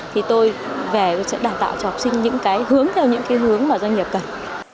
thì tôi về sẽ đào tạo cho học sinh những cái hướng theo những cái hướng mà doanh nghiệp cần